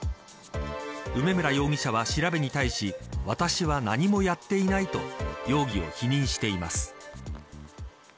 梅村容疑者は調べに対し私は何もやっていないと容疑を否認しています。